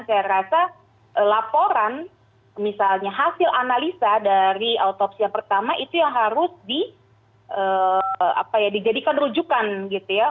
saya rasa laporan misalnya hasil analisa dari autopsi yang pertama itu yang harus dijadikan rujukan gitu ya